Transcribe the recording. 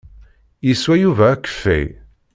Yeswa Yuba akeffay.